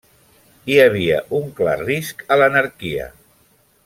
Hi havia un clar risc a l'anarquia.